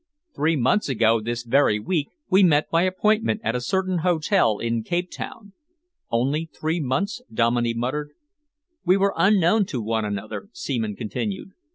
Three months ago this very week, we met by appointment at a certain hotel in Cape Town." "Only three months," Dominey muttered. "We were unknown to one another," Seaman continued.